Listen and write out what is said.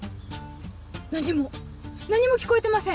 何も何も聞こえてません。